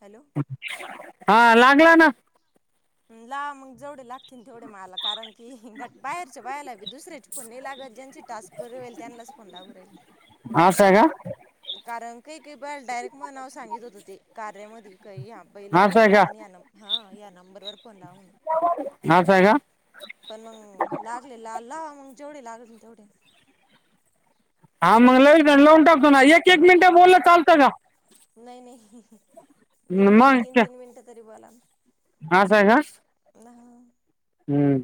Hello हा लागला ना लाव मग जोडेल तेवढे मला कारण की, घट बाहेरच्या बायला बी दुसऱ्याचे फोन नाही लागत ज्यांचे टास्क पुरे होईल त्यांनाच फोन लागू राहिले. हा सर कारण काही की बाल डायरेक्ट मनाव सांगित होती ती कार्यामध्ये काही पहीला असं फोन आहे का लाव आणि ह्यांना न हा या नंबर वर फोन लाव म्हणून अस आहे का? पण मंग लागले ला लावा मग जेवढे लागतील तेवढे. हा मग लावितो लावून टाकतो ना एक एक मिनिटं बोललं चालतं का. नाही नाही दोन दोन मग तीन ते- तीन मिनिटं तरी बोला. असं का? हा. हम्म.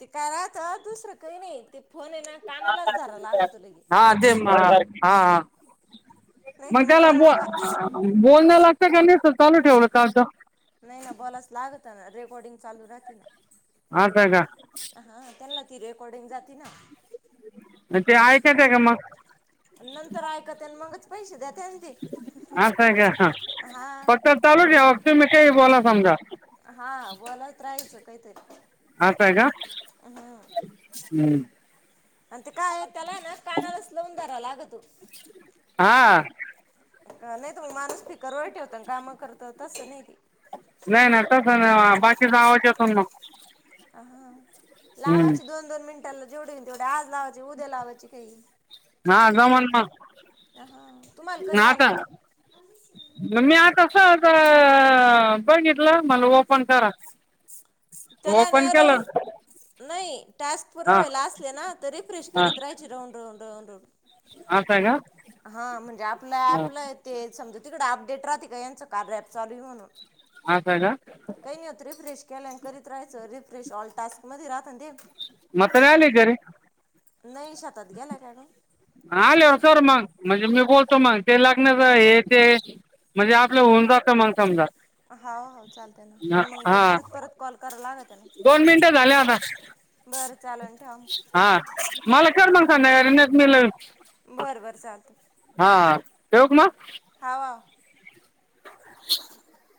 ते काय राहत दुसरं काही नाही ते फोन आहे ना कानालाच धरायला लागतो लगे. हा दे मा हा हा. नाही तर मग त्याला बो माणूस का बोलण लागत का नीसत चालू ठेवलं चालत. नाही ना बोलाच लागत ना रेकॉर्डिंग चालू राहते ना. असं आहे का. हा त्यांना ती रेकॉर्डिंग जाते ना. मग ते ऐकायचे का मग. नंतर ऐकात्याल मंगच पैसे द्या असं आहे का ह हा फक्त चालू ठेवा तुम्ही काही बोला समजा. हा बोलात राहायचं काहीतरी असा आहे का हुं. अन ते काय त्याला आहे ना कानालाच लावून धरा लागतो. हा. नाही त म माणूस स्पीकरवर ठेवत न कामं करत तस नाही ती. नाही नाही तस नाय बाकीचा आवाज येतो ना. हा हम्म. लावाचे दोन दोन मिनिटांला जेवढे होईल तेवढे आज लावायचे उद्या लावायचे काही. ह जमल हा तुम्हाला कधी आता आलं न मी आता सहज अ बघितलं मला वोपन करा. ओपन केलं [unintelligible] नाही टास्क पुर हा व्हायला असले ना तरी फ्रेश करीत राहायचे राहून राहून राहून राहून. आसय का. हा म्हणजे आपलं हा, ॲपला आहे ते समजत तिकडे अपडेट राहते का यांचं कार्या ॲप चालू आहे म्हणून. हाय कायला. केलं आणि करीत राहाचं. रिफ्रेश ऑल टास्क मध्ये राहत ना ते. म्हातारी आली घरी. नइ शेतात गेल्या का नाय. आल्या वर कर मग. म्हणजे मी बोलतो मग. ते लग्नाच हे ते. म्हणजे आपलं होऊन जातं मग समजा. हा ह चालतय ना. हा पण मंग ते हा. परत परत कॉल कराल लागते ना. दोन मिनिटं झाले आता बरं चालल. हा मला कर मग संध्याकाळी. नाहीतर मीच लावीन. बर बरं चालत. हा ठेवू का म हाव हाव. [inaudible]